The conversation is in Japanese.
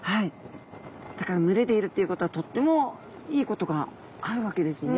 だから群れでいるっていうことはとってもいいことがあるわけですよね。